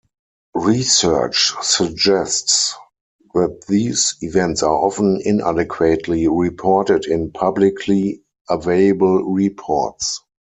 Research suggests that these events are often inadequately reported in publicly available reports.